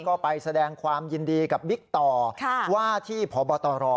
ก็ไปแสดงความยินดีกับบิ๊กต่อว่าที่พบตร